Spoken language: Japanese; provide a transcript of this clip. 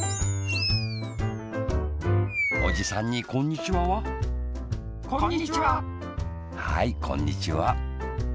おじさんに「こんにちは」は？こんにちは！はいこんにちは！